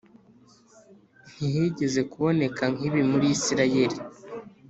ntihigeze kuboneka nk ibi muri Isirayeli